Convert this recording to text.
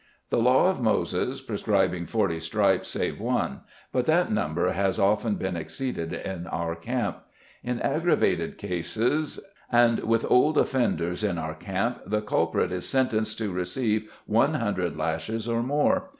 The law of Moses prescribing forty stripes save one but that number has often been exceeded in our camp. In aggravated cases, and with old offenders in our camp the culprit is sentenced to receive one hundred lashes or more.